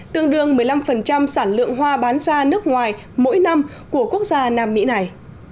tương đương một mươi năm sản lượng hoa bán ra nước ngoài mỗi năm của quốc gia nam mỹ này